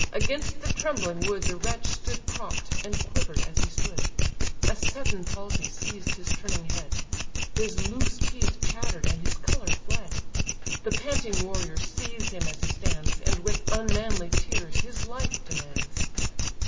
Against the trembling wood The wretch stood propp'd, and quiver'd as he stood; A sudden palsy seized his turning head; His loose teeth chatter'd, and his colour fled; The panting warriors seize him as he stands, And with unmanly tears his life demands.